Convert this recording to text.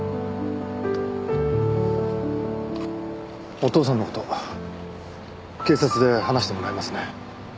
お父さんの事警察で話してもらえますね？